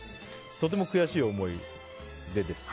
とても悔しい思い出です。